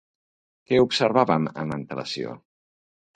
Què observaven amb atenció?